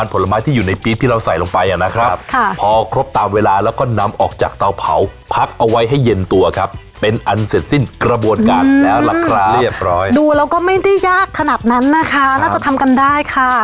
ดูแล้วก็ไม่ได้ยากขนาดนั้นนะคะน่าจะทำกันได้ค่ะ